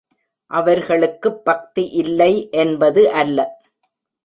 அவர்களுக்குப் பக்தி இல்லை என்பது அல்ல.